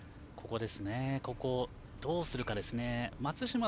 ここをどうするかですね。